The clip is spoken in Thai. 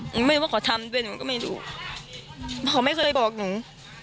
ไม่รู้ว่าเขาทำด้วยหนูก็ไม่รู้เขาไม่เคยบอกหนู